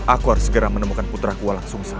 aku harus segera menemukan putraku langsung saja